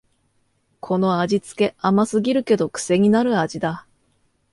この味つけ、甘すぎるけどくせになる味だ